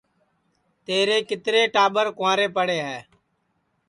تیرے کِترے ٹاٻر کُنٚورے پڑے ہے